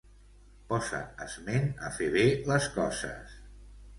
Posa esment a fer bé les coses.